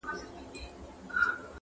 مور تر ټولو زياته ځورېږي تل,